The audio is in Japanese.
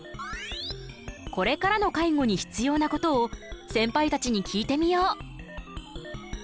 これからの介護に必要なことをセンパイたちに聞いてみよう。